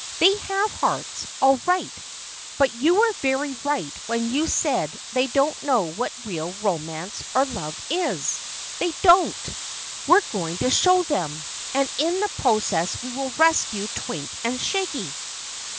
They have hearts, all right. But you were very right when you said they don't know what real romance or love is. They don't. We're going to show them, and in the process we will rescue Twink and Shaggy!"